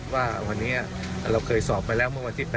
ว่าวันนี้เราเคยสอบไปแล้วเมื่อวันที่๘